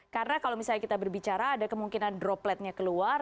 karena kalau misalnya kita berbicara ada kemungkinan dropletnya keluar